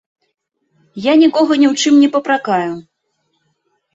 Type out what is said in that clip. Я нікога ні ў чым не папракаю.